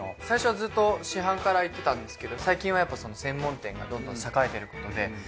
最初はずっと市販からいってたんですけど最近はやっぱ専門店がどんどん栄えてることで。